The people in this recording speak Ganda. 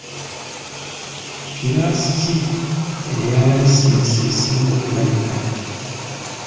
Kiraasi ki eya layisinsi esinga okulabika?